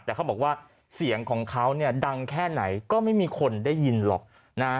แต่เขาบอกว่าเสียงของเขาเนี่ยดังแค่ไหนก็ไม่มีคนได้ยินหรอกนะฮะ